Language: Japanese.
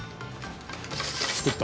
「作った？」